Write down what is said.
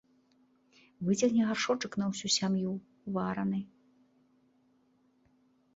Выцягне гаршчок на ўсю сям'ю вараны.